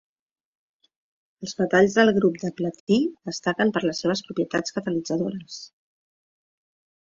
Els metalls del grup del platí destaquen per les seves propietats catalitzadores.